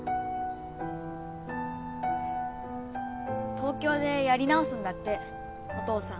東京でやり直すんだってお父さん